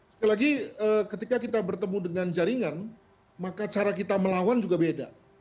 sekali lagi ketika kita bertemu dengan jaringan maka cara kita melawan juga beda